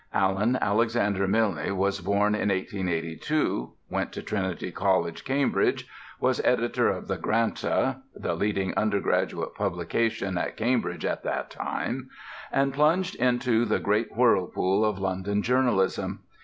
Alan Alexander Milne was born in 1882, went to Trinity College, Cambridge; was editor of The Granta (the leading undergraduate publication at Cambridge at that time); and plunged into the great whirlpool of London journalism.